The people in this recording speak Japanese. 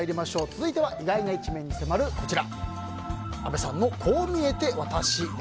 続いては意外な一面に迫る阿部さんのこう見えてワタシ。